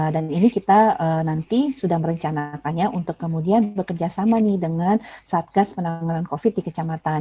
dan ini kita nanti sudah merencanakannya untuk kemudian bekerjasama dengan satgas penanganan covid sembilan belas di kecamatan